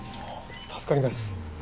助かります。